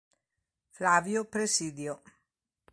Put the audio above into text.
Flavio Presidio